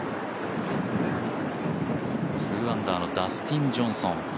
２アンダーのダスティン・ジョンソン。